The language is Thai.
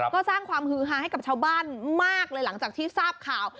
ก็สร้างความฮือฮาให้กับชาวบ้านมากเลยหลังจากที่ทราบข่าว